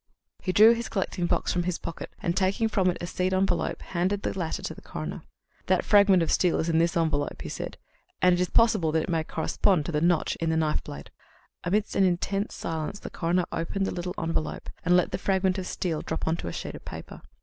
He drew his collecting box from his pocket, and taking from it a seed envelope, handed the latter to the coroner. "That fragment of steel is in this envelope," he said, "and it is possible that it may correspond to the notch in the knife blade." Amidst an intense silence the coroner opened the little envelope, and let the fragment of steel drop on to a sheet of paper.